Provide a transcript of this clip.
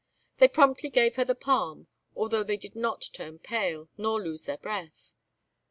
They promptly gave her the palm, although they did not turn pale, nor lose their breath.